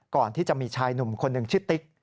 ก่อนที่จะมีชายหนุ่มคนหนึ่งชื่อติ๊ก